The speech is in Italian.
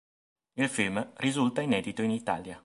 Il film risulta inedito in Italia.